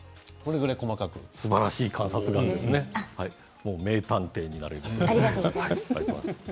すばらしい観察眼、名探偵になれます。